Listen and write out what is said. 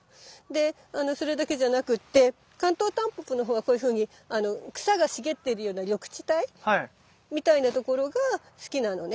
それだけじゃなくってカントウタンポポのほうはこういうふうに草が茂ってるような緑地帯みたいな所が好きなのね。